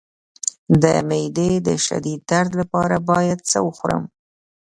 د معدې د شدید درد لپاره باید څه مه خورم؟